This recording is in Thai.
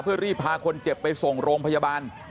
เพื่อรีบพาคนเจ็บไปส่งโรงพยาบาล